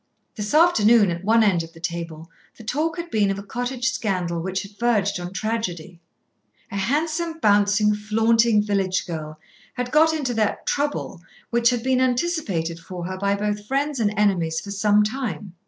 This afternoon, at one end of the table the talk had been of a cottage scandal which had verged on tragedy. A handsome, bouncing, flaunting village girl had got into that "trouble" which had been anticipated for her by both friends and enemies for some time.